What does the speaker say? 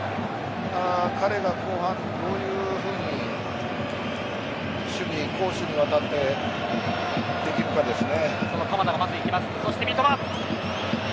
彼が後半、どういうふうに攻守にわたってできるかですね。